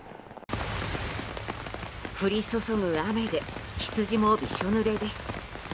降り注ぐ雨でヒツジもびしょぬれです。